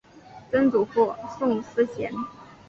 曾祖父宋思贤。